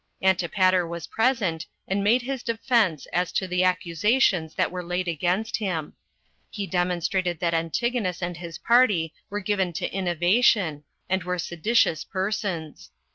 Antipater was present, and made his defense as to the accusations that were laid against him. He demonstrated that Antigonus and his party were given to innovation, and were seditious persons.